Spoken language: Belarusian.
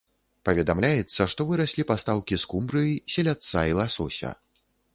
Паведамляецца, што выраслі пастаўкі скумбрыі, селядца і ласося.